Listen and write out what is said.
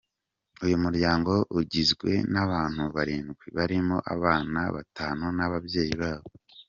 Uyu muryango ugizwe n’abantu barindwi, barimo abana batanu n’ababyeyi babo.